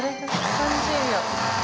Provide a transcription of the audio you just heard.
３０秒。